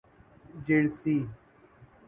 Jersey